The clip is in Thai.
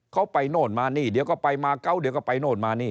เขาไปโน่นมานี่เดี๋ยวก็ไปมาเกาะเดี๋ยวก็ไปโน่นมานี่